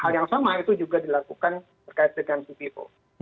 hal yang sama itu juga dilakukan terkait dengan cpo